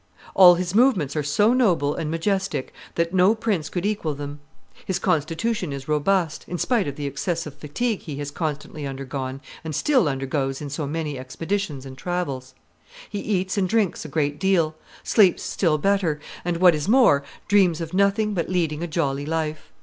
All his movements are so noble and majestic that no prince could equal them. His constitution is robust, in spite of the excessive fatigue he has constantly undergone and still undergoes in so many expeditions and travels. He eats and drinks a great deal, sleeps still better, and, what is more, dreams of nothing but leading a jolly life.